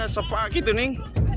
sepak gitu nih